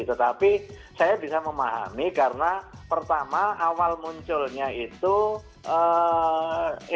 tetapi saya bisa memahami karena pertama awal munculnya itu